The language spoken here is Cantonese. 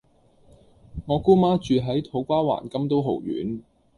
我姑媽住喺土瓜灣金都豪苑